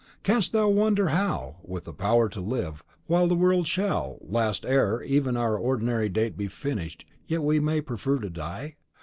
Canst thou wonder how, with the power to live while the world shall last, ere even our ordinary date be finished we yet may prefer to die?